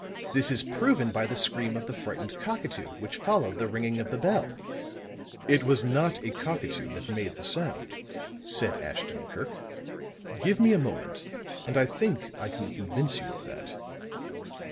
This is proven by the scream of the frightened cockatoo which followed the ringing of the bell." "It was not a cockatoo that made the sound," said Ashton Kirk. "Give me a moment and I think I can convince you of that."